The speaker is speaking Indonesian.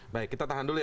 baik kita tahan dulu ya